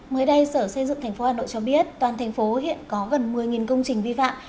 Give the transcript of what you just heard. mới đây sở xây dựng tp hà nội cho biết toàn thành phố hiện có gần một mươi công trình vi phạm